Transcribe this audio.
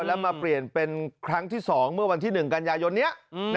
แล้วมาเปลี่ยนเป็นครั้งที่๒เมื่อวันที่๑กันยายนนี้